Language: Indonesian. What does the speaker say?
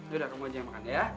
yaudah kamu aja yang makan ya